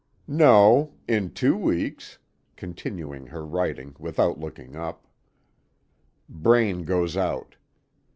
"No in two weeks," continuing her writing without looking up. Braine goes out.